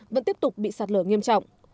vẫn tiếp tục bị sạt lở nghiêm trọng